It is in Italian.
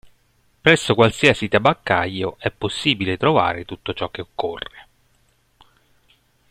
Presso qualsiasi tabaccaio è possibile trovare tutto ciò che occorre.